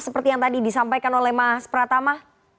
seperti yang tadi disampaikan oleh mas pratama